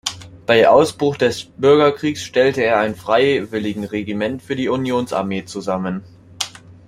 Bei Ausbruch des Bürgerkrieges stellte er ein Freiwilligenregiment für die Unionsarmee zusammen.